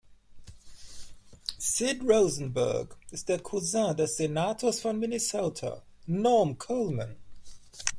Sid Rosenberg ist der Cousin des Senators von Minnesota Norm Coleman.